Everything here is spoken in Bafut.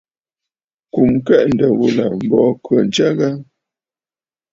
Kùm kɛʼɛ̂ ǹdə̀ ghulà m̀bə ò khə̂ ǹtsya ghâ?